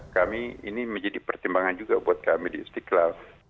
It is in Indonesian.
kami ini menjadi pertimbangan juga buat kami di istiqlal